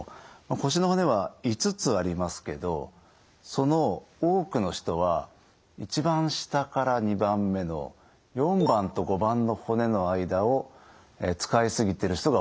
腰の骨は５つありますけどその多くの人は一番下から２番目の４番と５番の骨の間を使い過ぎてる人が多いんですね。